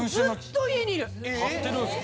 ・張ってるんすか？